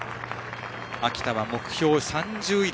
秋田は目標３０位台。